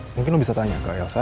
mungkin bisa tanya ke elsa